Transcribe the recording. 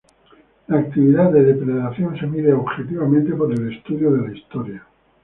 La actividad de depredación se mide objetivamente por el estudio de la historia.